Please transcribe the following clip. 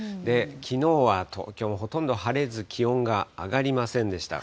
きのうは東京もほとんど晴れず、気温が上がりませんでした。